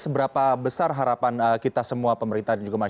baik pak padut